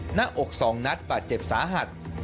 หน้าอก๒นัดบาดเจ็บสาหัส